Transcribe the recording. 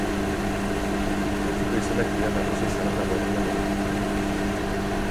Betiko izenak dira nagusi zerrenda berrian ere.